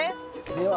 では